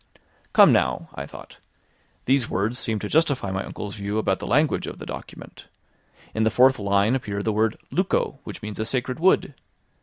"Come now," I thought, "these words seem to justify my uncle's view about the language of the document. In the fourth line appeared the word "luco", which means a sacred wood.